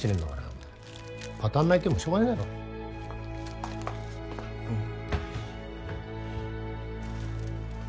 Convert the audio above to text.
お前パタンナーいてもしょうがねえだろああ